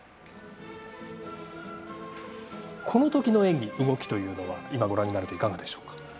このときの演技、動きというのは今ご覧になるといかがでしょうか？